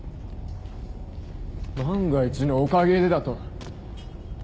万が一のおかげでだと？